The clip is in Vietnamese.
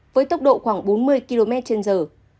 với tốc độ khoảng bốn mươi km trên giờ